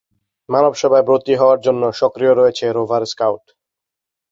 মানবসেবায় ব্রতী হওয়ার জন্য সক্রিয় রয়েছে রোভার স্কাউট।